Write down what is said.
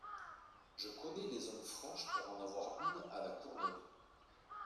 Je connais les zones franches pour en avoir une à La Courneuve.